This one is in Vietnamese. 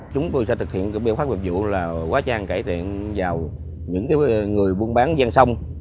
chúng tôi sẽ thực hiện quyền pháp nghiệp vụ là quá trang cải thiện vào những người buôn bán gian sông